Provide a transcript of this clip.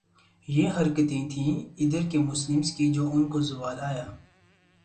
یہ حرکتیں تھیں ادھر کے مسلمز کی جو ان کو زوال آیا